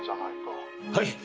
はい！